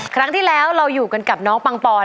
ครั้งที่แล้วเราอยู่กันกับน้องปังปอน